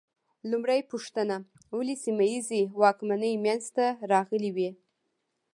لومړۍ پوښتنه: ولې سیمه ییزې واکمنۍ منځ ته راغلې وې؟